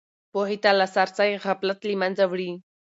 پوهې ته لاسرسی غفلت له منځه وړي.